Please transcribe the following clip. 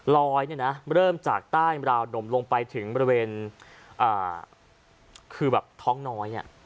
ลอยเริ่มจากใต้ราวนมลงไปถึงบริเวณคือแบบท้องน้อย